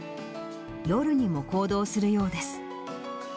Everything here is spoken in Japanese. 夜にも行動するようです。